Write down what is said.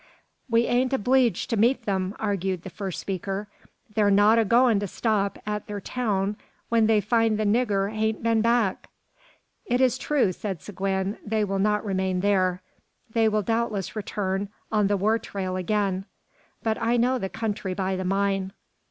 "We ain't obleeged to meet them," argued the first speaker. "They're not a goin' to stop at thur town when they find the nigger hain't been back." "It is true," said Seguin, "they will not remain there. They will doubtless return on the war trail again; but I know the country by the mine."